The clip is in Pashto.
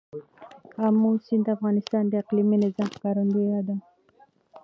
آمو سیند د افغانستان د اقلیمي نظام ښکارندوی ده.